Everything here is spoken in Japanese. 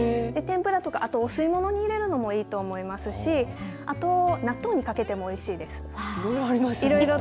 天ぷらとかお吸い物に入れるのもいいと思いますしあと納豆にかけてもおいしいです。